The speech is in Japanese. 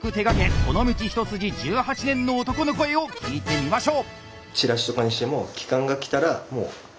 この道一筋１８年の男の声を聞いてみましょう！